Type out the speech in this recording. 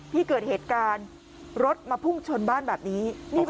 ที่เกิดเหตุการณ์รถมาพุ่งชนบ้านแบบนี้